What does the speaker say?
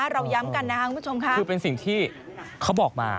เราย้ำกันนะครับคุณผู้ชมค่ะคือเป็นสิ่งที่เขาบอกมา